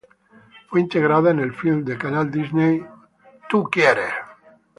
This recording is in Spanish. Fue integrada en el film del canal Disney, You Wish!.